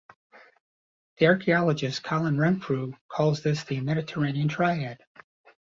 The archaeologist Colin Renfrew calls this the "Mediterranean triad".